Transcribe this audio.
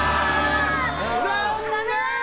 残念！